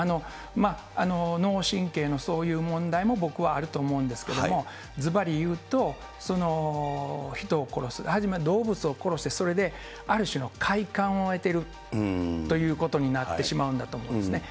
脳神経のそういう問題も僕はあると思うんですけども、ずばりいうと、人を殺す、初め動物を殺して、それである種の快感を得てるということになってしまうんだと思うんですね。